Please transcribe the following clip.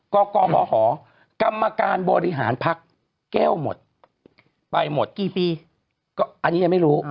กกมหกรรมการบริหารพักแก้วหมดไปหมดกี่ปีก็อันนี้ยังไม่รู้